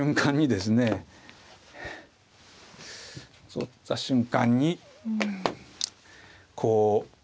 取った瞬間にこう。